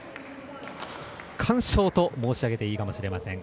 完勝と申し上げていいかもしれません。